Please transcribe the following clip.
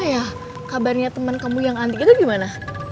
oh iya kabarnya temen kamu yang antik itu gimana